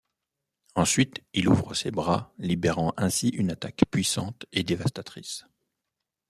Ensuite, il ouvre ses bras libérant ainsi une attaque puissante et dévastatrice.